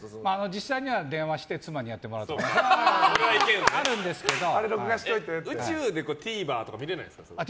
実際には電話して妻にやってもらうっていうのが宇宙でＴＶｅｒとか見れないんですか？